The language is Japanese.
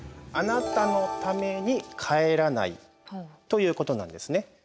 「あなたのために、帰らない」ということなんですね。